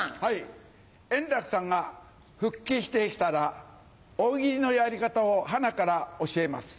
円楽さんが復帰して来たら大喜利のやり方をはなから教えます。